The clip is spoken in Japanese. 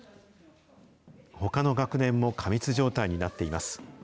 ほかの学年も過密状態になっています。